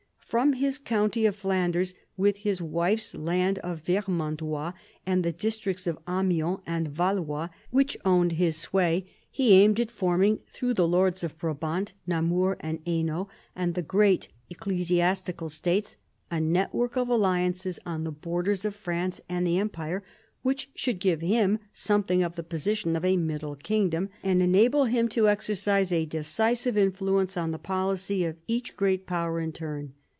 From his county of Flanders, with his wife's land of Vermandois and the districts of Amiens and Valois which owned his sway, he aimed at forming, through the lords of Brabant, Namur, and Hainault and the great ecclesiastical states, a network of alliances on the borders of France and the Empire which should give him something of the position of a middle kingdom, and enable him to exercise a decisive influence on the policy of each great power in turn.